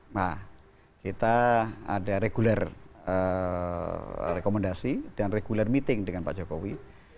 nah kita ada reguler rekomendasi dan reguler meeting dengan pak jokowi